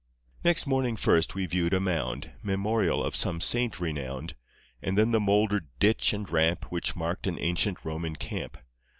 Next morning first we viewed a mound, Memorial of some saint renowned, And then the mouldered ditch and ramp Which marked an ancient Roman camp.